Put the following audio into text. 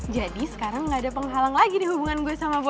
jadi sekarang gak ada penghalang lagi di hubungan gue sama boy